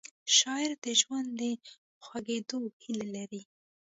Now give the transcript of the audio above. شاعر د ژوند د خوږېدو هیله لري